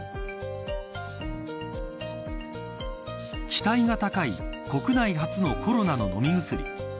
期待が高い国内初のコロナ飲み薬。